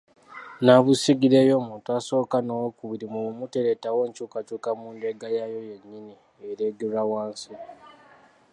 Nnabusigire ey’omuntu asooka n’ow’okubiri mu bumu tereetawo nkyukakyuka mu ndeega nayo yennyini ereegerwa wansi.